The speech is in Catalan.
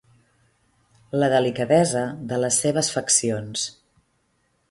La delicadesa de les seves faccions.